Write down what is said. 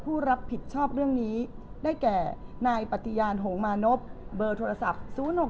ผู้รับผิดชอบเรื่องนี้ได้แก่นายปฏิญาณโหงมานพเบอร์โทรศัพท์๐๖๖